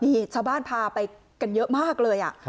นี่ชาวบ้านพาไปกันเยอะมากเลย